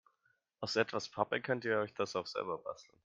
Aus etwas Pappe könnt ihr euch das auch selber basteln.